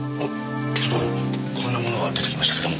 ちょっとこんな物が出てきましたけども。